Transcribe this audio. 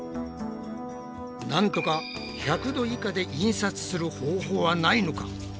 なんとか１００℃以下で印刷する方法はないのか？